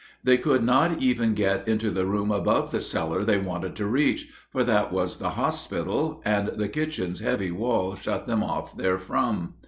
They could not even get into the room above the cellar they wanted to reach, for that was the hospital, and the kitchen's heavy wall shut them off therefrom.